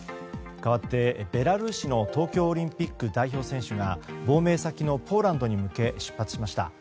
かわって、ベラルーシの東京オリンピック代表選手が亡命先のポーランドに向け出発しました。